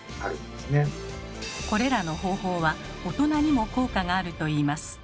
これらの方法は大人にも効果があるといいます。